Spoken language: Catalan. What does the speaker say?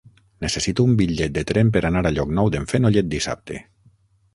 Necessito un bitllet de tren per anar a Llocnou d'en Fenollet dissabte.